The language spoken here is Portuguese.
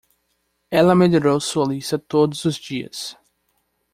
Ela melhorou sua lista todos os dias.